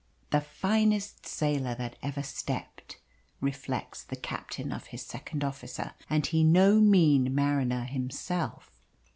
"The finest sailor that ever stepped," reflects the captain of his second officer and he no mean mariner himself.